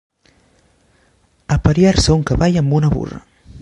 Apariar-se un cavall amb una burra.